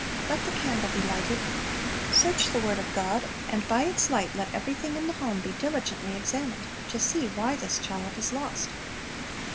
Let the candle be lighted. Search the word of God, and by its light let everything in the home be diligently examined, to see why this child is lost.